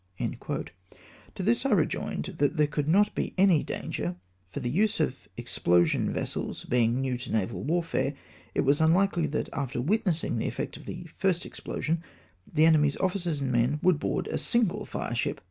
To this I rejoined, that there could not be any dan ger, for the use of explosion vessels being new to naval warfare, it was unfikely that, after witnessing the efiect of the first explosion, the enemy's officers and men would board a single fireship.